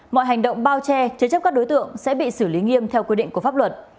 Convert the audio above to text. mọi hành động bao che chế chấp các đối tượng sẽ bị xử lý nghiêm theo quy định của pháp luật